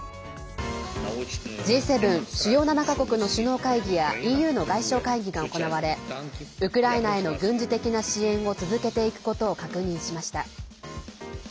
Ｇ７＝主要７か国の首脳会議やＥＵの外相会議が行われウクライナへの軍事的な支援を続けていくことを確認しました。